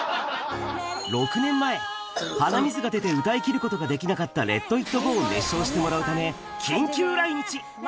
６年前、鼻水が出て歌いきることができなかった、ＬｅｔＩｔＧｏを熱唱してもらうため、緊急来日。